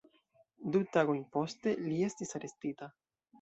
Du tagojn poste, li estis arestita.